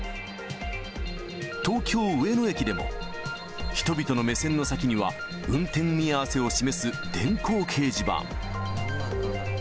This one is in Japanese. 東京・上野駅でも、人々の目線の先には、運転見合わせを示す電光掲示板。